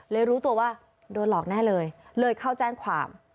รู้ตัวว่าโดนหลอกแน่เลยเลยเข้าแจ้งความ